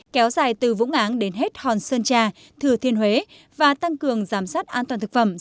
kéo dài từ vũng áng đến hết hòn sơn trà thừa thiên huế và tăng cường giám sát an toàn thực phẩm